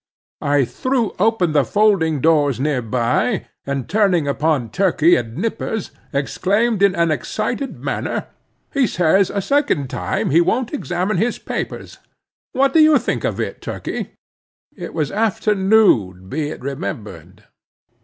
I threw open the folding doors near by, and turning upon Turkey and Nippers, exclaimed in an excited manner— "He says, a second time, he won't examine his papers. What do you think of it, Turkey?" It was afternoon, be it remembered.